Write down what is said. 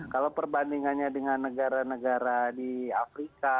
kalau perbandingannya dengan negara negara di afrika